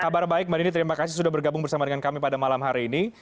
kabar baik mbak dini terima kasih sudah bergabung bersama dengan kami pada malam hari ini